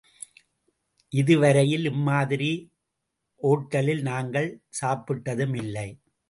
இது வரையில் இம்மாதிரி ஓட்டலில் நாங்கள் சாப்பிட்டதுமில்லை.